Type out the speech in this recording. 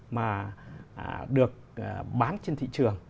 mà được bán trên thị trường